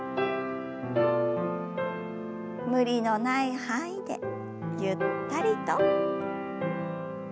無理のない範囲でゆったりと。